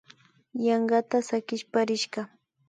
Yankata sakishpa rishka